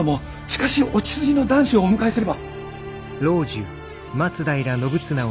近しいお血筋の男子をお迎えすれば。